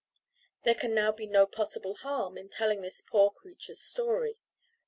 There can now be no possible harm in telling this poor creature's story.